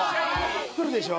くるでしょ。